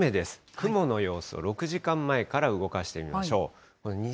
雲の様子を６時間前から動かしてみましょう。